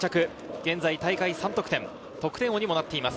現在大会３得点、得点王にもなっています。